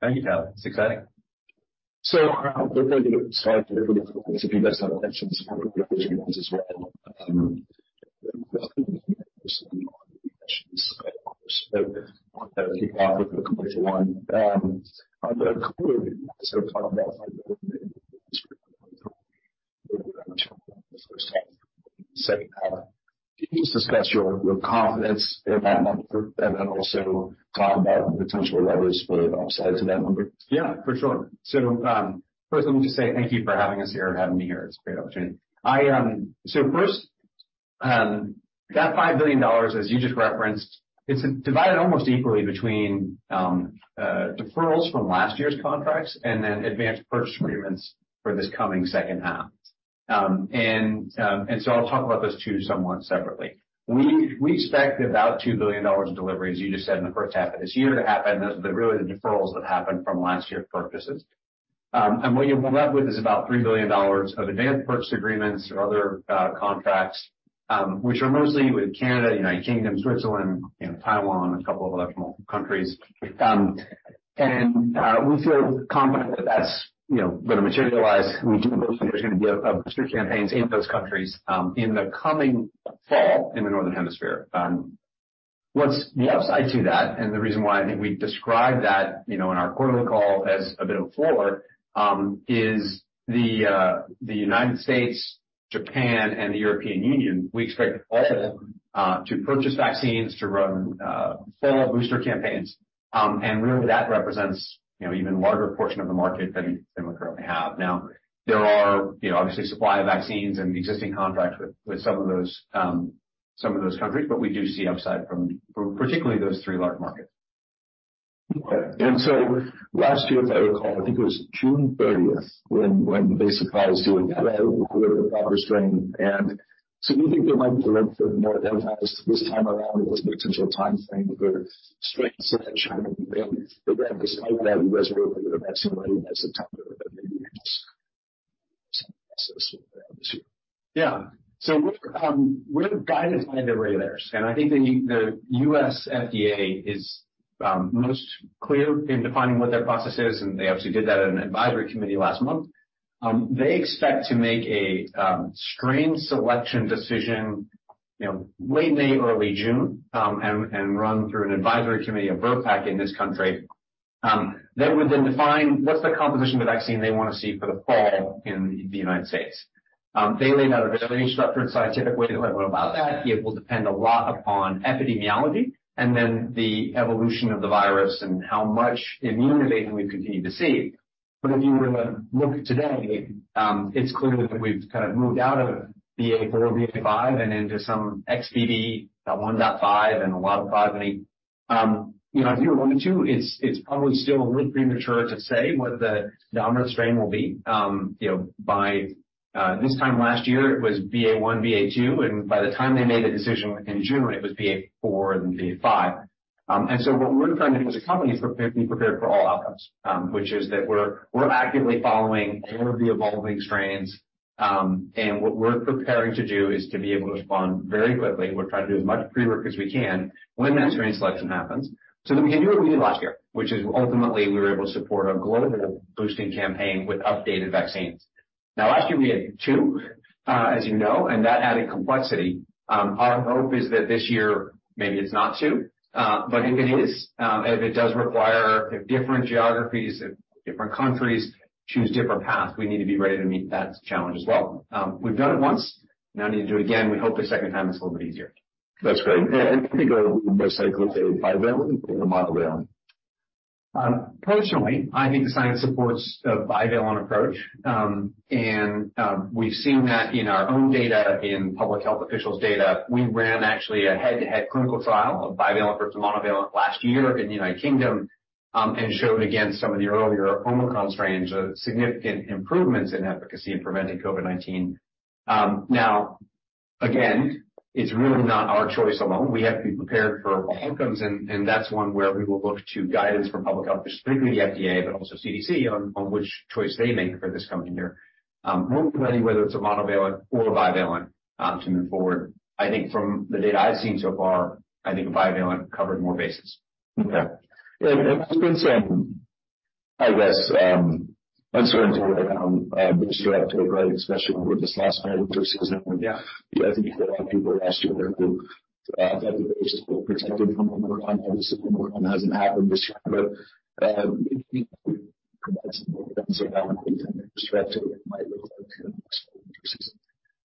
Thank you, Tyler. It's exciting. If you guys have questions as well. Can you just discuss your confidence in that number and then also talk about potential levers for the upside to that number? Yeah, for sure. First let me just say thank you for having us here, having me here. It's a great opportunity. First, that $5 billion, as you just referenced, it's divided almost equally between deferrals from last year's contracts and then advanced purchase agreements for this coming second half. I'll talk about those two somewhat separately. We expect about $2 billion of deliveries, you just said, in the first half of this year to happen. Those are really the deferrals that happened from last year's purchases. What you're left with is about $3 billion of advanced purchase agreements or other contracts, which are mostly with Canada, United Kingdom, Switzerland, you know, Taiwan, a couple of other multiple countries. We feel confident that that's, you know, gonna materialize. We do believe there's gonna be booster campaigns in those countries in the coming fall in the Northern Hemisphere. What's the upside to that, and the reason why I think we describe that, you know, in our quarterly call as a bit of a floor, is the United States, Japan and the European Union, we expect all of them to purchase vaccines to run fall booster campaigns. Really that represents, you know, even larger portion of the market than we currently have. Now, there are, you know, obviously supply of vaccines and existing contracts with some of those, some of those countries, but we do see upside from particularly those three large markets. Last year, if I recall, I think it was June thirtieth when basic Law was doing proper strain. Do you think there might be more of that this time around? What's the potential timeframe for strain selection September? Yeah. We're guided by the regulators, I think the U.S. FDA is most clear in defining what their process is, and they obviously did that at an advisory committee last month. They expect to make a strain selection decision, you know, late May, early June, and run through an advisory committee of VRBPAC in this country. That would define what's the composition of the vaccine they wanna see for the fall in the United States. They laid out a very structured scientific way to go about that. It will depend a lot upon epidemiology and the evolution of the virus and how much immune evasion we continue to see. If you were to look today, it's clear that we've kind of moved out of BA.4, BA.5 and into some XBB.1.5 and a lot of five, many. You know, if you were wanting to, it's probably still a little premature to say what the dominant strain will be. You know, by this time last year it was BA.1, BA.2, and by the time they made the decision in June, it was BA.4 and BA.5. What we're trying to do as a company is be prepared for all outcomes, which is that we're actively following all of the evolving strains. What we're preparing to do is to be able to respond very quickly. We're trying to do as much pre-work as we can when that strain selection happens, so that we can do what we did last year, which is ultimately we were able to support a global boosting campaign with updated vaccines. Last year we had 2, as you know, and that added complexity. Our hope is that this year, maybe it's not 2, but if it is, if it does require different geographies, if different countries choose different paths, we need to be ready to meet that challenge as well. We've done it once, now we need to do it again. We hope the second time it's a little bit easier. That's great. I think bivalent or monovalent? Personally, I think the science supports a bivalent approach. We've seen that in our own data, in public health officials data. We ran actually a head-to-head clinical trial of bivalent versus monovalent last year in the United Kingdom, and showed against some of the earlier Omicron strains, significant improvements in efficacy in preventing COVID-19. It's really not our choice alone. We have to be prepared for all outcomes, and that's one where we will look to guidance from public health, specifically the FDA, but also CDC, on which choice they make for this coming year. More importantly, whether it's a monovalent or a bivalent option going forward. I think from the data I've seen so far, I think a bivalent covered more bases. Okay. There's been some, I guess, uncertainty around especially over this last winter season. Yeah. I think a lot of people last year were protected from Omicron. Obviously, Omicron hasn't happened this year, but. Yeah.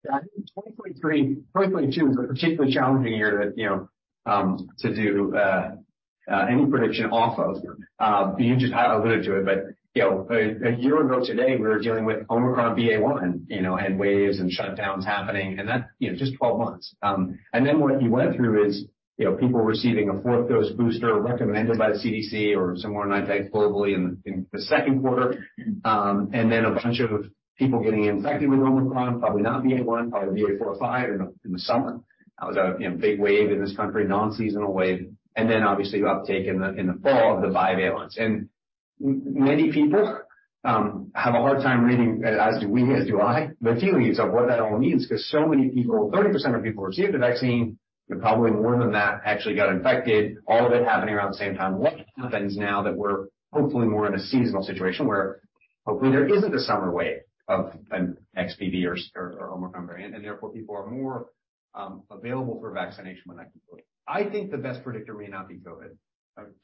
2022 is a particularly challenging year to, you know, to do any prediction off of. You just had alluded to it, but, you know, a year ago today we were dealing with Omicron BA.1, you know, and waves and shutdowns happening and that, you know, just 12 months. What you went through is, you know, people receiving a fourth dose booster recommended by the CDC or somewhere, I think globally in the second quarter. A bunch of people getting infected with Omicron, probably not BA.1, probably BA.4 or .5 in the summer. That was a, you know, big wave in this country, non-seasonal wave, obviously uptake in the fall of the bivalents. Many people have a hard time reading, as do we, as do I, the feelings of what that all means, because so many people, 30% of people received the vaccine, and probably more than that actually got infected, all of it happening around the same time. What happens now that we're hopefully more in a seasonal situation where hopefully there isn't a summer wave of an XBB or Omicron variant, and therefore people are more available for vaccination when that can go. I think the best predictor may not be COVID.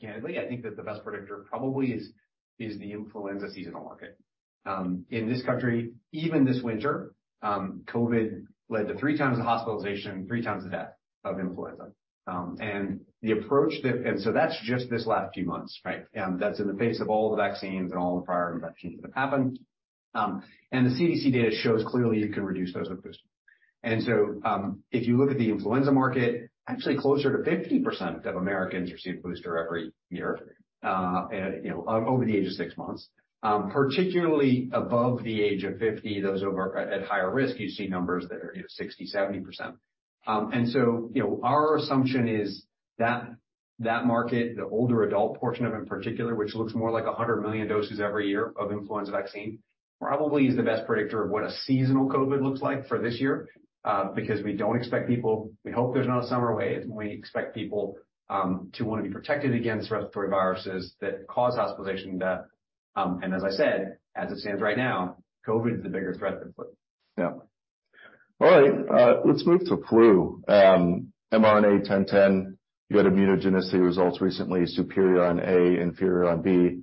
Candidly, I think that the best predictor probably is the influenza seasonal market. In this country, even this winter, COVID led to 3 times the hospitalization, 3 times the death of influenza. That's just this last few months, right? That's in the face of all the vaccines and all the prior infections that have happened. The CDC data shows clearly you can reduce those with booster. If you look at the influenza market, actually closer to 50% of Americans receive booster every year, over the age of 6 months, particularly above the age of 50, those at higher risk, you see numbers that are 60%, 70%. You know, our assumption is that market, the older adult portion of it in particular, which looks more like 100 million doses every year of influenza vaccine, probably is the best predictor of what a seasonal COVID looks like for this year, because we don't expect people we hope there's not a summer wave, and we expect people, to wanna be protected against respiratory viruses that cause hospitalization, death, and as I said, as it stands right now, COVID is a bigger threat than flu. Yeah. All right, let's move to flu, mRNA-1010. You had immunogenicity results recently, superior on A, inferior on B.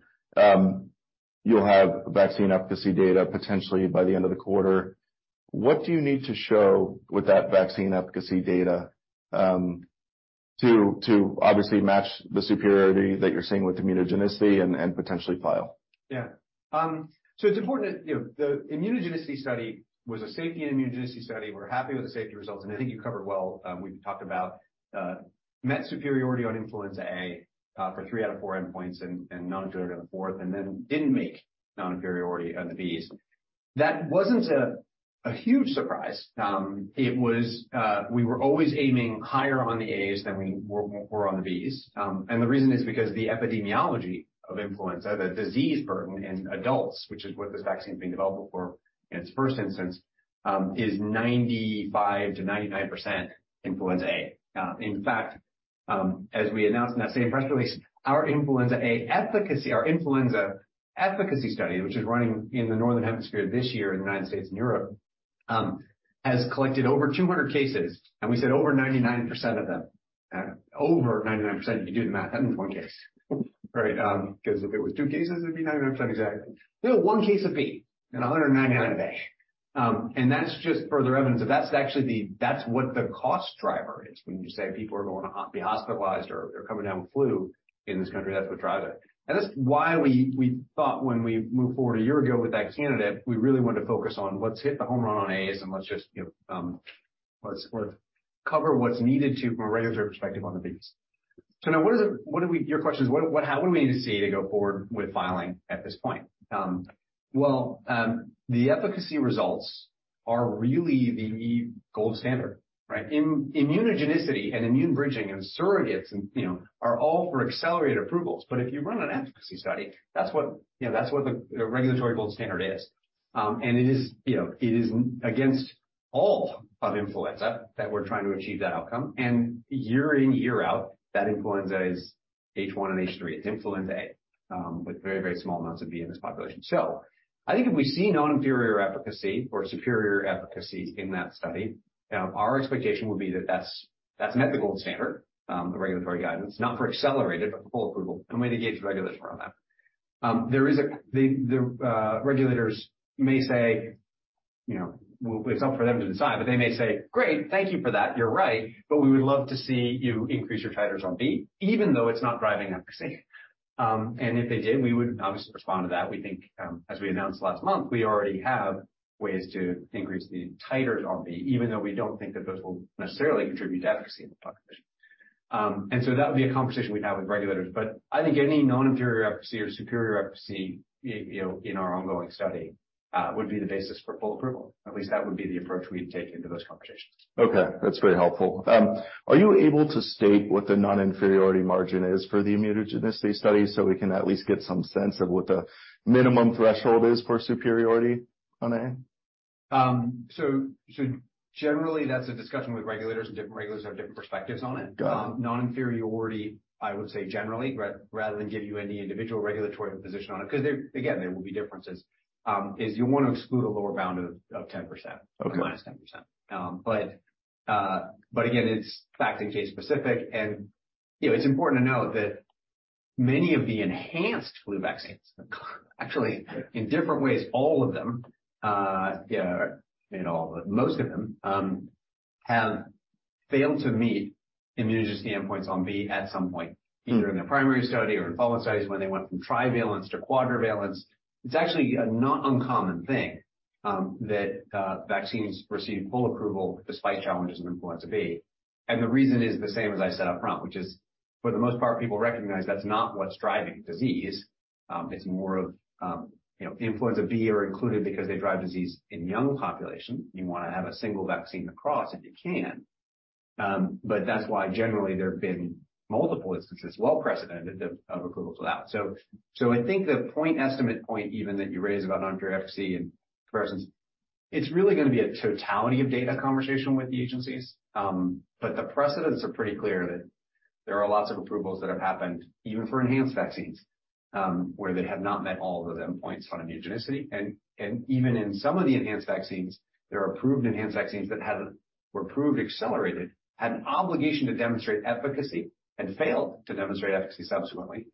You'll have vaccine efficacy data potentially by the end of the quarter. What do you need to show with that vaccine efficacy data, to obviously match the superiority that you're seeing with immunogenicity and potentially file? Yeah. It's important that, you know, the immunogenicity study was a safety and immunogenicity study. We're happy with the safety results, and I think you covered well, we've talked about met superiority on influenza A for 3 out of 4 endpoints and non-inferior to the fourth, and then didn't make non-inferiority on the Bs. That wasn't a huge surprise. It was, we were always aiming higher on the As than we were on the Bs. The reason is because the epidemiology of influenza, the disease burden in adults, which is what this vaccine is being developed for in its first instance, is 95%-99% influenza A. In fact, as we announced in that same press release, our influenza A efficacy, our influenza efficacy study, which is running in the northern hemisphere this year in the United States and Europe, has collected over 200 cases, and we said over 99% of them. Over 99%, you can do the math, that means 1 case. Right, 'cause if it was 2 cases, it'd be 99% exactly. We have 1 case of B and 199 of A. And that's just further evidence that that's actually what the cost driver is when you say people are going to be hospitalized or coming down with flu in this country, that's what drives it. That's why we thought when we moved forward a year ago with that candidate, we really wanted to focus on let's hit the home run on As and let's just, you know, let's cover what's needed to from a regulatory perspective on the Bs. Now your question is what, how would we need to see to go forward with filing at this point? Well, the efficacy results are really the gold standard, right? Immunogenicity and immune bridging and surrogates and, you know, are all for accelerated approvals, but if you run an efficacy study, that's what, you know, that's what the regulatory gold standard is. It is, you know, it is against all of influenza that we're trying to achieve that outcome, and year in, year out, that influenza is H1 and H3. It's influenza A with very, very small amounts of B in this population. I think if we see non-inferior efficacy or superior efficacy in that study, our expectation would be that that's met the gold standard, the regulatory guidance, not for accelerated, but for full approval, and we'd engage the regulator on that. There is the regulators may say, you know, well, it's up for them to decide, but they may say, "Great, thank you for that. You're right, but we would love to see you increase your titers on B even though it's not driving efficacy." If they did, we would obviously respond to that. We think, as we announced last month, we already have ways to increase the titers on B even though we don't think that those will necessarily contribute to efficacy in the population. That would be a conversation we'd have with regulators. I think any non-inferior efficacy or superior efficacy you know, in our ongoing study, would be the basis for full approval. At least that would be the approach we'd take into those conversations. Okay, that's very helpful. Are you able to state what the non-inferiority margin is for the immunogenicity study so we can at least get some sense of what the minimum threshold is for superiority on A? Generally, that's a discussion with regulators, and different regulators have different perspectives on it. Got it. Non-inferiority, I would say generally, rather than give you any individual regulatory position on it, 'cause there, again, there will be differences, is you wanna exclude a lower bound of 10%. Okay. Minus 10%. Again, it's fact and case specific, and it's important to note that many of the enhanced flu vaccines, actually, in different ways, all of them, have failed to meet immunogenicity endpoints on B at some point, either in their primary study or in follow-up studies when they went from trivalent to quadrivalent. It's actually a not uncommon thing that vaccines receive full approval despite challenges in influenza B. The reason is the same as I said up front, which is for the most part, people recognize that's not what's driving disease. It's more of influenza B are included because they drive disease in young population. You wanna have a single vaccine across if you can. That's why generally there have been multiple instances, well precedented of approvals of that. I think the point estimate point even that you raise about non-inferior efficacy and comparisons, it's really gonna be a totality of data conversation with the agencies. The precedents are pretty clear that there are lots of approvals that have happened even for enhanced vaccines, where they have not met all of the endpoints on immunogenicity. Even in some of the enhanced vaccines, there are approved enhanced vaccines that were approved accelerated, had an obligation to demonstrate efficacy and failed to demonstrate efficacy subsequently.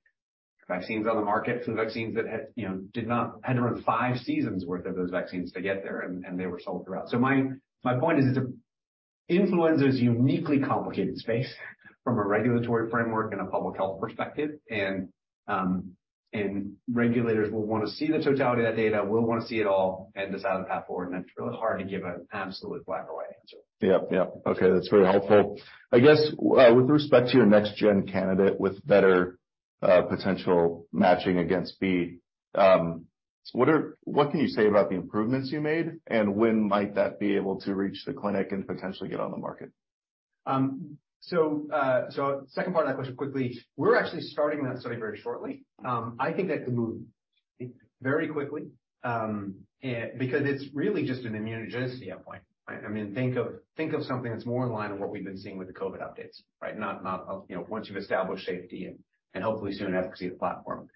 Vaccines on the market for the vaccines that had, you know, had to run five seasons worth of those vaccines to get there, and they were sold throughout. My point is it's influenza is a uniquely complicated space from a regulatory framework and a public health perspective. Regulators will wanna see the totality of that data, will wanna see it all and decide on the path forward, and it's really hard to give an absolutely black or white answer. Yep, yep. Okay, that's very helpful. I guess, with respect to your next-gen candidate with better, potential matching against B, what can you say about the improvements you made, and when might that be able to reach the clinic and potentially get on the market? Second part of that question quickly, we're actually starting that study very shortly. I think that could move very quickly, because it's really just an immunogenicity endpoint, right? I mean, think of something that's more in line with what we've been seeing with the COVID updates, right? Not, you know, once you've established safety and hopefully soon efficacy of the platform.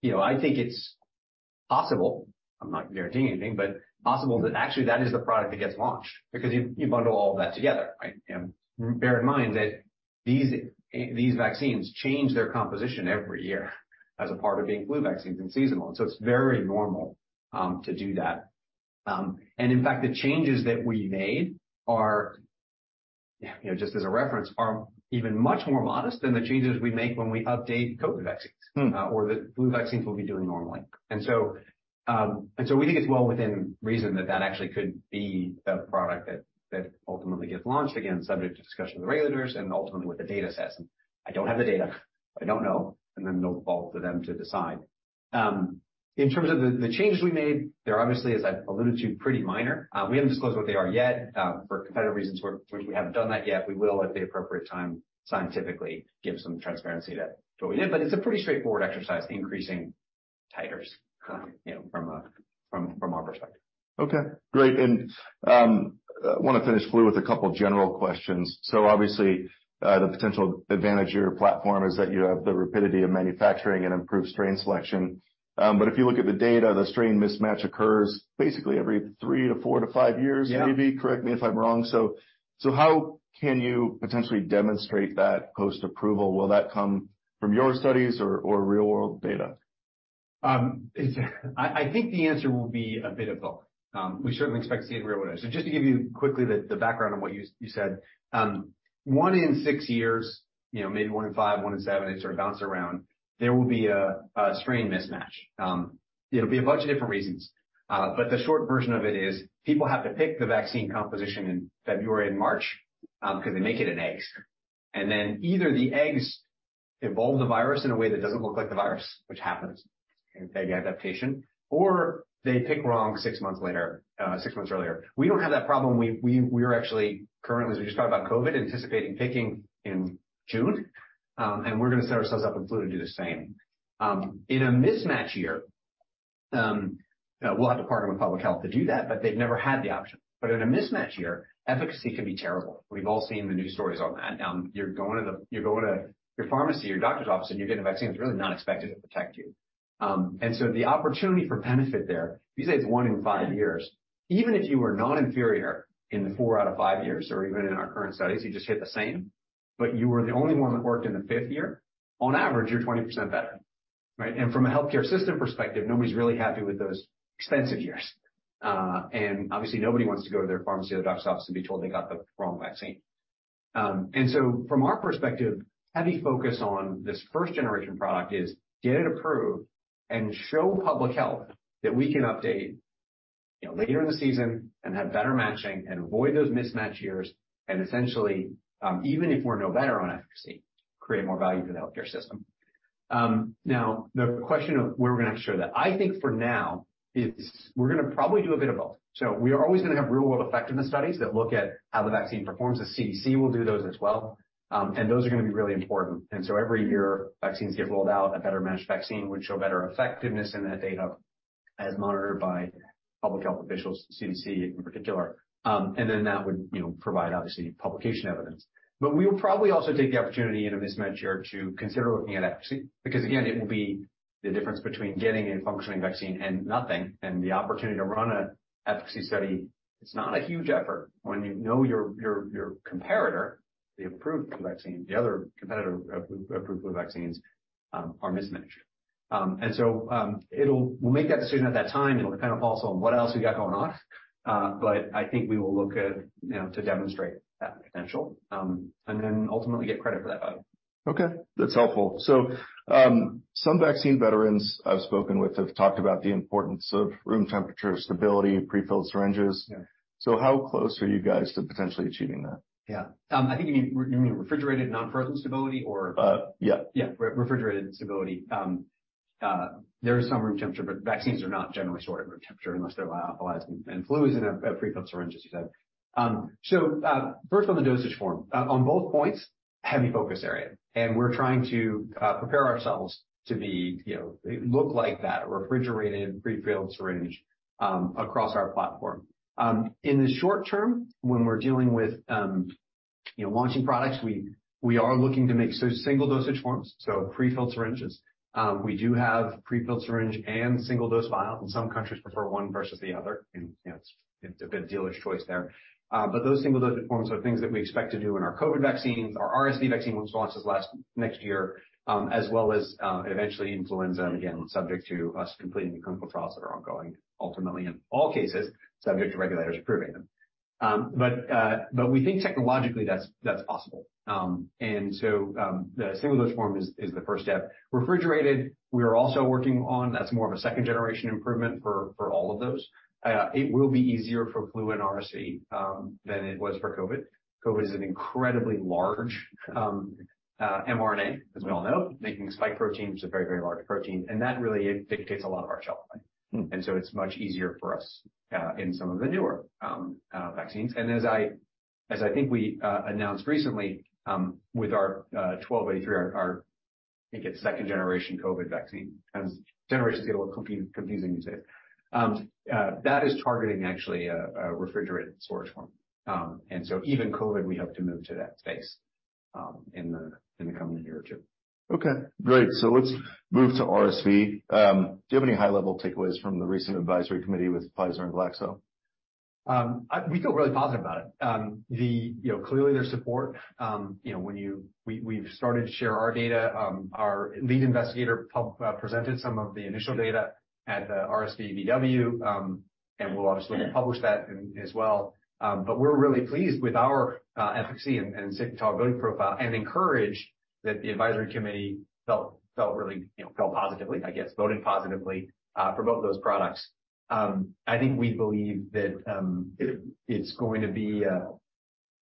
You know, I think it's possible, I'm not guaranteeing anything, but possible that actually that is the product that gets launched because you bundle all of that together, right? Bear in mind that these vaccines change their composition every year as a part of being flu vaccines and seasonal, so it's very normal to do that. In fact, the changes that we made are, you know, just as a reference, are even much more modest than the changes we make when we update COVID vaccines. Hmm. or the flu vaccines we'll be doing normally. We think it's well within reason that that actually could be the product that ultimately gets launched. Again, subject to discussion with the regulators and ultimately what the data says. I don't have the data, I don't know, they'll fall to them to decide. In terms of the changes we made, they're obviously, as I alluded to, pretty minor. We haven't disclosed what they are yet, for competitive reasons which we haven't done that yet. We will at the appropriate time, scientifically give some transparency to what we did, but it's a pretty straightforward exercise increasing titers- Got it. you know, from our perspective. Okay, great. I wanna finish flu with a couple general questions. Obviously, the potential advantage of your platform is that you have the rapidity of manufacturing and improved strain selection. If you look at the data, the strain mismatch occurs basically every three to four to five years. Yeah. maybe. Correct me if I'm wrong. How can you potentially demonstrate that post-approval? Will that come from your studies or real world data? I think the answer will be a bit of both. We certainly expect to see it in real world. Just to give you quickly the background on what you said. One in six years, you know, maybe one in five, one in seven, they sort of bounce around. There will be a strain mismatch. It'll be a bunch of different reasons. The short version of it is people have to pick the vaccine composition in February and March, 'cause they make it in eggs. Either the eggs evolve the virus in a way that doesn't look like the virus, which happens in egg adaptation, or they pick wrong six months later, six months earlier. We don't have that problem. We're actually currently, as we just talked about COVID, anticipating picking in June. We're gonna set ourselves up in flu to do the same. In a mismatch year, we'll have to partner with public health to do that, they've never had the option. In a mismatch year, efficacy can be terrible. We've all seen the news stories on that. You're going to your pharmacy or your doctor's office and you're getting a vaccine that's really not expected to protect you. The opportunity for benefit there, you say it's 1 in 5 years, even if you were non-inferior in the 4 out of 5 years or even in our current studies, you just hit the same, but you were the only 1 that worked in the 5th year, on average, you're 20% better, right? From a healthcare system perspective, nobody's really happy with those expensive years. Obviously nobody wants to go to their pharmacy or the doctor's office and be told they got the wrong vaccine. From our perspective, heavy focus on this first generation product is get it approved and show public health that we can update, you know, later in the season and have better matching and avoid those mismatch years, and essentially, even if we're no better on efficacy, create more value for the healthcare system. Now the question of where we're gonna have to show that. I think for now is we're gonna probably do a bit of both. We are always gonna have real world effectiveness studies that look at how the vaccine performs. The CDC will do those as well. Those are gonna be really important. Every year vaccines get rolled out, a better matched vaccine would show better effectiveness in that data as monitored by public health officials, CDC in particular. That would, you know, provide obviously publication evidence. We'll probably also take the opportunity in a mismatch year to consider looking at efficacy because again, it will be the difference between getting a functioning vaccine and nothing, and the opportunity to run a efficacy study, it's not a huge effort when you know your comparator, the approved flu vaccine, the other competitor approved flu vaccines, are mismatched. We'll make that decision at that time. It'll depend also on what else we got going on. I think we will look at, you know, to demonstrate that potential, and then ultimately get credit for that value. Okay. That's helpful. Some vaccine veterans I've spoken with have talked about the importance of room temperature, stability, prefilled syringes. Yeah. How close are you guys to potentially achieving that? Yeah. I think you mean, you mean refrigerated non-frozen stability or? Yeah. Yeah. Re-refrigerated stability. There is some room temperature, but vaccines are not generally stored at room temperature unless they're lyophilized, and flu is in a prefilled syringe, as you said. First on the dosage form. On both points, heavy focus area, and we're trying to prepare ourselves to be, you know, look like that, a refrigerated prefilled syringe across our platform. In the short term, when we're dealing with, you know, launching products, we are looking to make so single dosage forms, so prefilled syringes. We do have prefilled syringe and single dose vials, and some countries prefer one versus the other. You know, it's a bit dealer's choice there. But those single dosage forms are things that we expect to do in our COVID vaccines, our RSV vaccine, which launches next year, as well as eventually influenza, again, subject to us completing the clinical trials that are ongoing, ultimately in all cases, subject to regulators approving them. But we think technologically that's possible. The single dose form is the first step. Refrigerated, we are also working on, that's more of a second generation improvement for all of those. It will be easier for flu and RSV than it was for COVID. COVID is an incredibly large mRNA, as we all know, making spike protein, which is a very, very large protein, that really dictates a lot of our shelf life. Mm. It's much easier for us in some of the newer vaccines. As I think we announced recently with our mRNA-1283, our I think it's second generation COVID vaccine. Kinda generations get a little confusing these days. That is targeting actually a refrigerated storage form. Even COVID, we hope to move to that space in the coming year or two. Okay, great. Let's move to RSV. Do you have any high-level takeaways from the recent advisory committee with Pfizer and GSK? We feel really positive about it. You know, clearly their support, you know, when we've started to share our data, our lead investigator presented some of the initial data at the RSVVW, and we'll obviously publish that in, as well. We're really pleased with our efficacy and safety tolerability profile and encouraged that the advisory committee felt really, you know, felt positively, I guess, voted positively for both those products. I think we believe that it's going to be a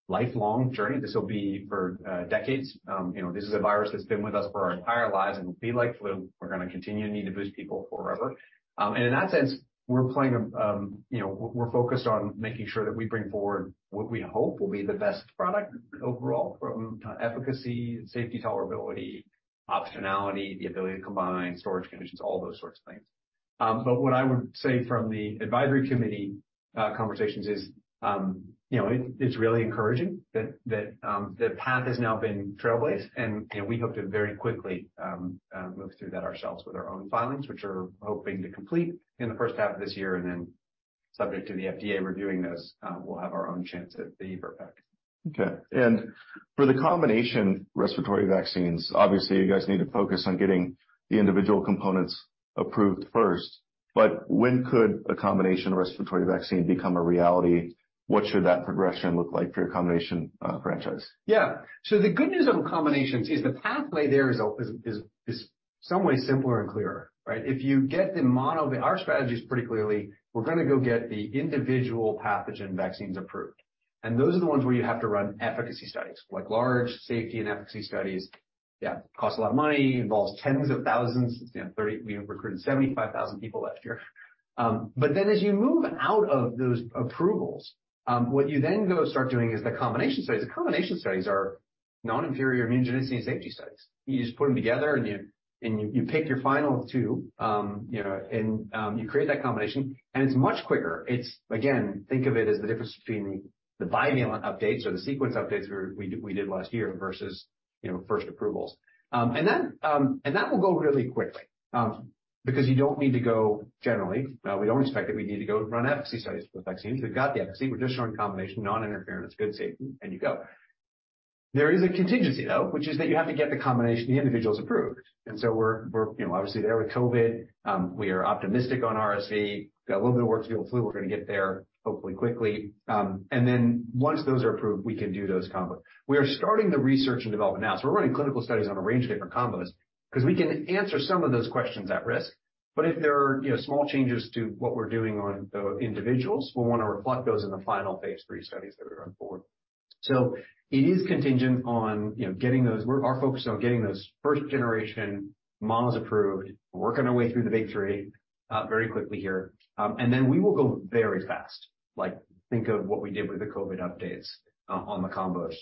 lifelong journey. This will be for decades. You know, this is a virus that's been with us for our entire lives, and it'll be like flu. We're gonna continue to need to boost people forever. In that sense, we're playing a, you know, we're focused on making sure that we bring forward what we hope will be the best product overall from efficacy, safety, tolerability, optionality, the ability to combine, storage conditions, all those sorts of things. What I would say from the advisory committee conversations is, you know, it's really encouraging that the path has now been trailblazed and, you know, we hope to very quickly move through that ourselves with our own filings, which we're hoping to complete in the first half of this year, and then subject to the FDA reviewing those, we'll have our own chance at the VRBPAC. Okay. For the combination respiratory vaccines, obviously, you guys need to focus on getting the individual components approved first, but when could a combination respiratory vaccine become a reality? What should that progression look like for your combination franchise? The good news on combinations is the pathway there is some way simpler and clearer, right? If you get the mono... Our strategy is pretty clearly we're gonna go get the individual pathogen vaccines approved. Those are the ones where you have to run efficacy studies, like large safety and efficacy studies, yeah. Costs a lot of money, involves tens of thousands, you know, we recruited 75,000 people last year. As you move out of those approvals, what you then go start doing is the combination studies. The combination studies are non-inferior immunogenicity and safety studies. You just put them together, and you pick your final two, you know, and you create that combination, and it's much quicker. It's again, think of it as the difference between the bivalent updates or the sequence updates we did last year versus, you know, first approvals. That will go really quickly because you don't need to go generally. We don't expect that we need to go run efficacy studies with vaccines. We've got the efficacy. We're just showing combination non-interference, good safety, and you go. There is a contingency, though, which is that you have to get the combination of the individuals approved. We're, you know, obviously there with COVID. We are optimistic on RSV. Got a little bit of work to do with flu. We're gonna get there hopefully quickly. Once those are approved, we can do those combo. We are starting the research and development now, we're running clinical studies on a range of different combos 'cause we can answer some of those questions at risk. If there are, you know, small changes to what we're doing on the individuals, we'll wanna reflect those in the final phase III studies that we run forward. It is contingent on, you know, getting those. Our focus is on getting those first generation models approved. We're working our way through the big three very quickly here. We will go very fast. Like, think of what we did with the COVID updates on the combos,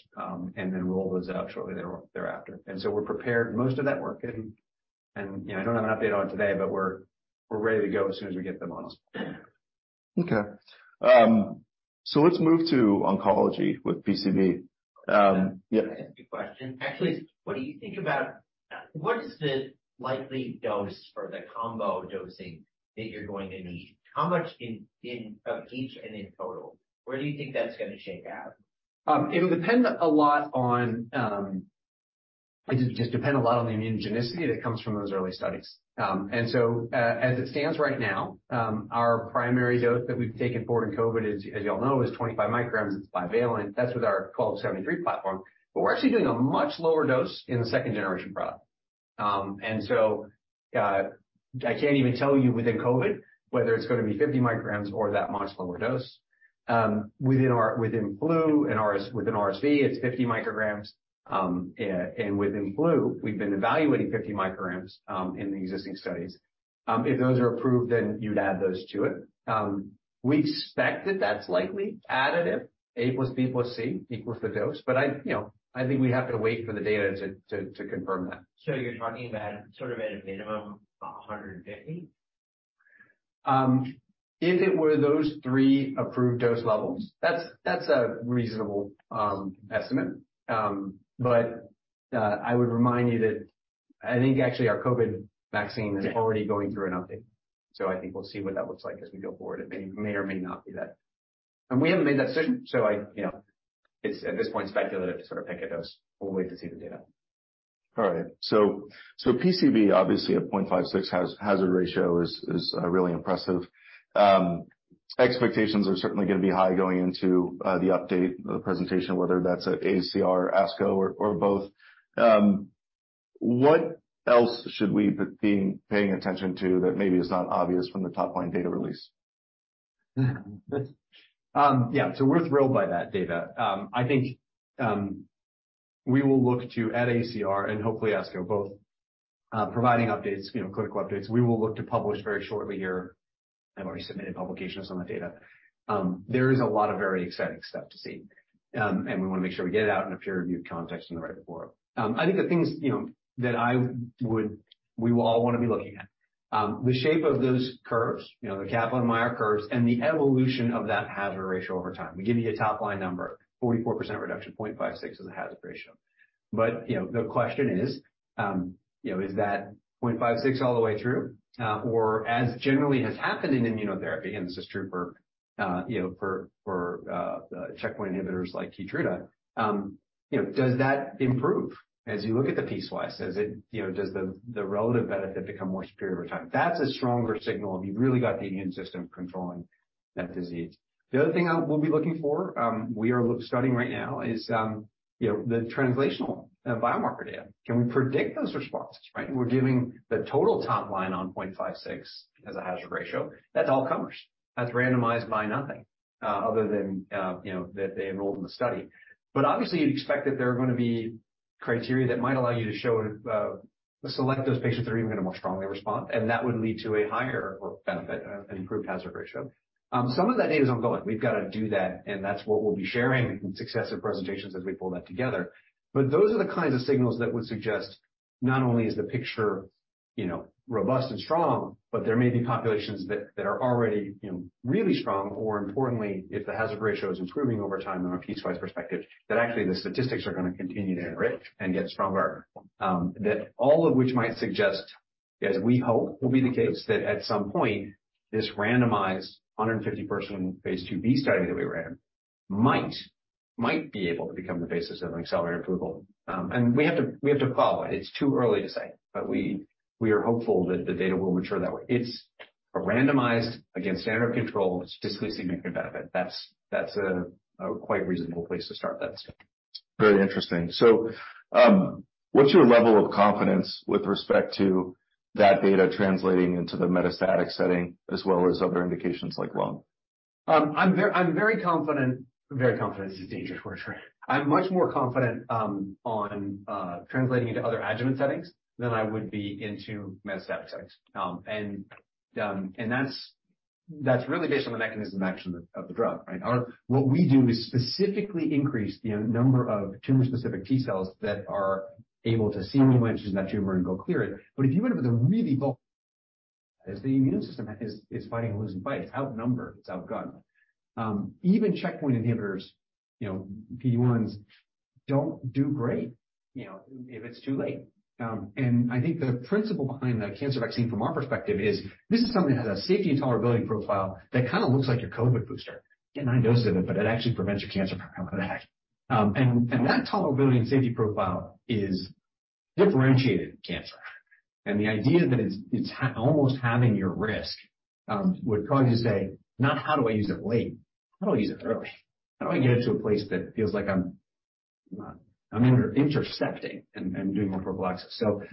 and then roll those out shortly thereafter. We're prepared. Most of that work getting, and, you know, I don't have an update on it today, but we're ready to go as soon as we get the models. Okay. Let's move to oncology with PCV. Yeah. Can I ask a question? Actually, what do you think about what is the likely dose for the combo dosing that you're going to need? How much in of each and in total? Where do you think that's gonna shake out? It would depend a lot on the immunogenicity that comes from those early studies. As it stands right now, our primary dose that we've taken forward in COVID, as you all know, is 25 micrograms. It's bivalent. That's with our 1273 platform. We're actually doing a much lower dose in the second generation product. I can't even tell you within COVID whether it's gonna be 50 micrograms or that much lower dose. Within flu and RSV, it's 50 micrograms. And within flu, we've been evaluating 50 micrograms in the existing studies. If those are approved, you'd add those to it. We expect that that's likely additive A plus B plus C equals the dose, but I, you know, I think we have to wait for the data to confirm that. you're talking about sort of at a minimum, 150? If it were those three approved dose levels, that's a reasonable estimate. I would remind you that I think actually our COVID vaccine is already going through an update, so I think we'll see what that looks like as we go forward. It may or may not be that. We haven't made that decision, so I, you know, it's at this point speculative to sort of pick a dose. We'll wait to see the data. All right. PCV obviously a 0.56 hazard ratio is really impressive. Expectations are certainly gonna be high going into the update or the presentation of whether that's at AACR or ASCO or both. What else should we be paying attention to that maybe is not obvious from the top line data release? Yeah, we're thrilled by that data. I think, we will look to at AACR and hopefully ASCO both, providing updates, you know, clinical updates. We will look to publish very shortly here. I've already submitted publications on that data. There is a lot of very exciting stuff to see. We wanna make sure we get it out in a peer-reviewed context in the right forum. I think the things, you know, we will all wanna be looking at, the shape of those curves, you know, the Kaplan-Meier curves, and the evolution of that hazard ratio over time. We give you a top-line number, 44% reduction, 0.56 is the hazard ratio. You know, the question is, you know, is that 0.56 all the way through? Or as generally has happened in immunotherapy, and this is true for, you know, for checkpoint inhibitors like Keytruda, you know, does that improve as you look at the piecewise? Does it, you know, does the relative benefit become more superior over time? That's a stronger signal if you've really got the immune system controlling that disease. The other thing we'll be looking for, we are studying right now is, you know, the translational biomarker data. Can we predict those responses, right? We're giving the total top line on 0.56 as a hazard ratio. That's all comers. That's randomized by nothing, other than, you know, that they enrolled in the study. obviously, you'd expect that there are gonna be criteria that might allow you to show, select those patients that are even gonna more strongly respond, and that would lead to a higher benefit, an improved hazard ratio. Some of that data is ongoing. We've got to do that, and that's what we'll be sharing in successive presentations as we pull that together. Those are the kinds of signals that would suggest not only is the picture, you know, robust and strong, but there may be populations that are already, you know, really strong, or importantly, if the hazard ratio is improving over time from a piecewise perspective, that actually the statistics are gonna continue to enrich and get stronger. That all of which might suggest, as we hope will be the case, that at some point, this randomized 150 person phase IIb study that we ran might be able to become the basis of an accelerated approval. We have to follow it. It's too early to say, but we are hopeful that the data will mature that way. It's a randomized against standard of control statistically significant benefit. That's a quite reasonable place to start that study. Very interesting. What's your level of confidence with respect to that data translating into the metastatic setting as well as other indications like lung? I'm very confident. Very confident is a dangerous word, right? I'm much more confident on translating into other adjuvant settings than I would be into metastatic settings. That's really based on the mechanism of action of the drug, right? What we do is specifically increase the number of tumor-specific T cells that are able to see antigens in that tumor and go clear it. If you end up with a really bulk. As the immune system is fighting a losing fight, it's outnumbered, it's outgunned. Even checkpoint inhibitors, you know, PD-1s don't do great, you know, if it's too late. I think the principle behind the cancer vaccine from our perspective is this is something that has a safety and tolerability profile that kinda looks like your COVID booster. Get nine doses of it, but it actually prevents your cancer from coming back. That tolerability and safety profile is differentiated cancer. The idea that it's almost halving your risk would cause you to say, not, "How do I use it late? How do I use it early? How do I get it to a place that feels like I'm intercepting and doing more prophylaxis?" What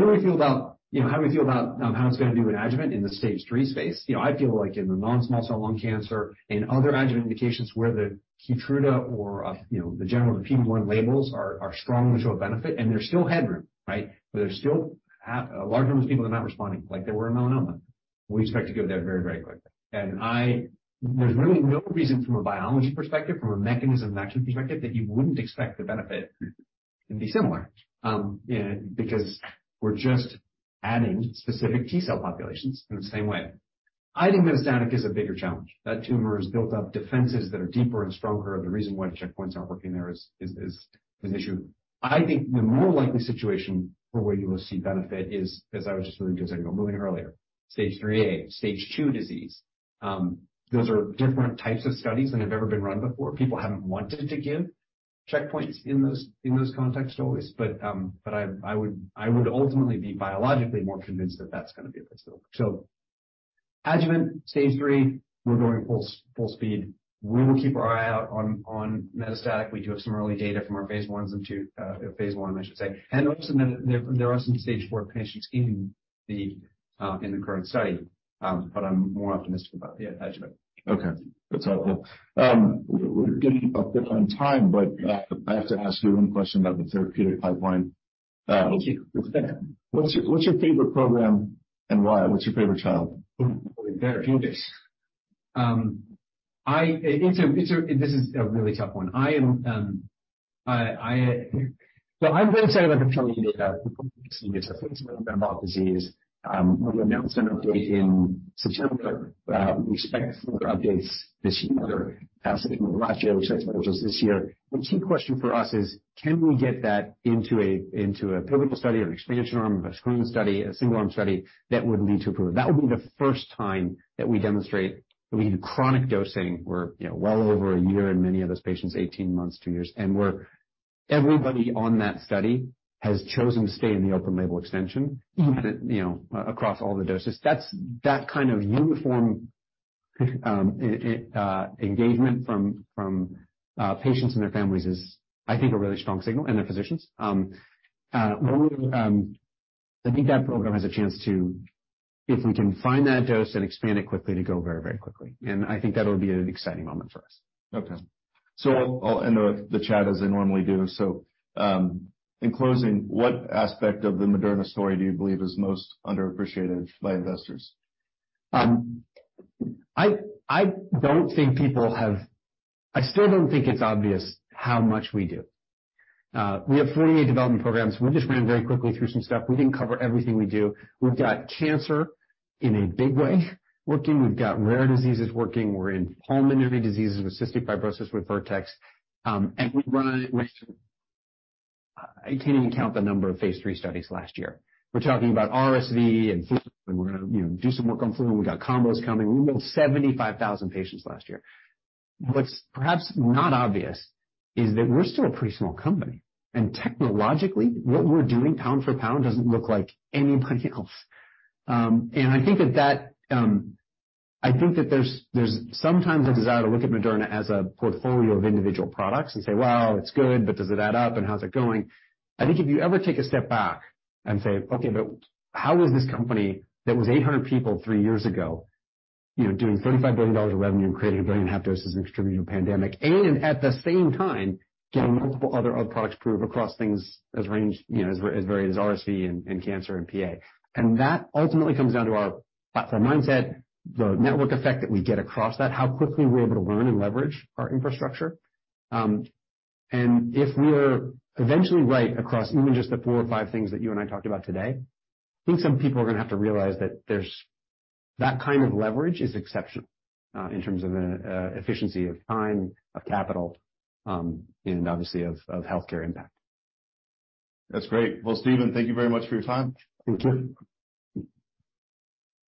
do we feel about, you know, how do we feel about how it's gonna do in adjuvant in the stage three space? You know, I feel like in the non-small cell lung cancer and other adjuvant indications where the Keytruda or, you know, the general PD-1 labels are strong and show a benefit, and there's still headroom, right? There's still a large number of people that are not responding like they were in melanoma. We expect to go there very, very quickly. There's really no reason from a biology perspective, from a mechanism of action perspective, that you wouldn't expect the benefit to be similar, you know, because we're just adding specific T cell populations in the same way. I think metastatic is a bigger challenge. That tumor has built up defenses that are deeper and stronger, and the reason why checkpoints aren't working there is an issue. I think the more likely situation for where you will see benefit is, as I was just really designing or moving earlier, stage 3A, stage 2 disease. Those are different types of studies than have ever been run before. People haven't wanted to give checkpoints in those, in those contexts always, I would ultimately be biologically more convinced that that's gonna be a place to look. Adjuvant stage three, we're going full speed. We will keep our eye out on metastatic. We do have some early data from our phase Is and II, phase I, I should say. Also, there are some stage four patients in the current study, I'm more optimistic about the adjuvant. That's helpful. We're getting up there on time, but, I have to ask you one question about the therapeutic pipeline. Thank you. What's your favorite program and why? What's your favorite child? Therapeutics. This is a really tough one. I'm very excited about the preliminary data we published last year for phase I of metabolic disease. We announced an update in September. We expect further updates this year. Last year, which I told you is this year. The key question for us is can we get that into a pivotal study or an expansion arm of a screen study, a single arm study that would lead to approval. That would be the first time that we demonstrate that we need chronic dosing. We're well over a year in many of those patients, 18 months, 2 years. Everybody on that study has chosen to stay in the open label extension, you know, across all the doses. That kind of uniform engagement from patients and their families is, I think, a really strong signal, and their physicians. We will. I think that program has a chance to, if we can find that dose and expand it quickly, to go very, very quickly. I think that'll be an exciting moment for us. I'll end with the chat as I normally do. In closing, what aspect of the Moderna story do you believe is most underappreciated by investors? I don't think people have. I still don't think it's obvious how much we do. We have 48 development programs. We just ran very quickly through some stuff. We didn't cover everything we do. We've got cancer in a big way working. We've got rare diseases working. We're in pulmonary diseases with cystic fibrosis, with Vertex. We run. I can't even count the number of phase III studies last year. We're talking about RSV and flu, we're going to, you know, do some work on flu. We got combos coming. We enrolled 75,000 patients last year. What's perhaps not obvious is that we're still a pretty small company. Technologically, what we're doing pound for pound doesn't look like anybody else. I think that I think that there's sometimes a desire to look at Moderna as a portfolio of individual products and say, "Well, it's good, but does it add up, and how's it going?" I think if you ever take a step back and say, "Okay, but how is this company that was 800 people 3 years ago, you know, doing $35 billion of revenue and creating 1.5 billion doses and contributing to a pandemic, and at the same time, getting multiple other products approved across things as range, you know, as varied as RSV and cancer and PA. That ultimately comes down to our platform mindset, the network effect that we get across that, how quickly we're able to learn and leverage our infrastructure. If we're eventually right across even just the 4 or 5 things that you and I talked about today, I think some people are going to have to realize that kind of leverage is exceptional, in terms of efficiency of time, of capital, and obviously of healthcare impact. That's great. Well, Stephen, thank you very much for your time. Thank you.